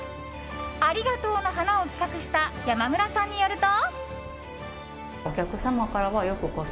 ありがとうの花を企画した山村さんによると。